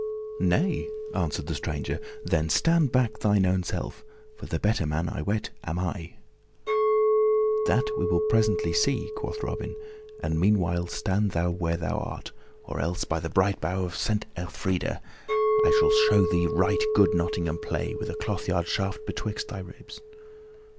"Nay," answered the stranger, "then stand back shine own self, for the better man, I wet, am I." "That will we presently see," quoth Robin, "and meanwhile stand thou where thou art, or else, by the bright brow of Saint AElfrida, I will show thee right good Nottingham play with a clothyard shaft betwixt thy ribs."